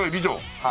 はい。